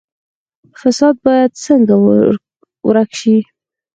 فساد باید څنګه ورک شي؟